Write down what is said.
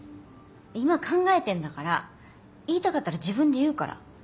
今考えてんだから言いたかったら自分で言うから。